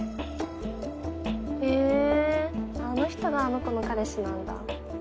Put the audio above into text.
へぇあの人があの子の彼氏なんだ。